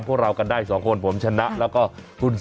ซื้อให้มันต้องมีในกล่องไว้ล่ะ